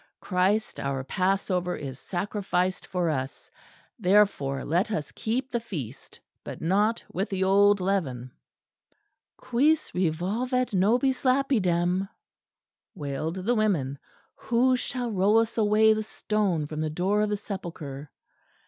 "Christ our Passover is sacrificed for us; therefore let us keep the feast, but not with the old leaven." "Quis revolvet nobis lapidem?" wailed the women. "Who shall roll us away the stone from the door of the sepulchre?"